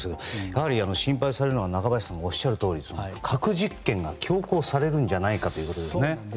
やはり心配されるのは中林さんがおっしゃるとおり核実験が強行されるんじゃないかということですね。